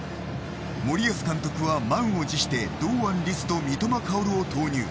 森保監督は満を持して堂安律と三笘薫を投入。